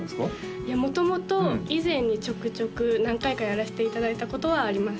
いや元々以前にちょくちょく何回かやらせていただいたことはあります